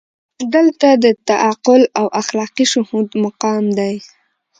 دلته د تعقل او اخلاقي شهود مقام دی.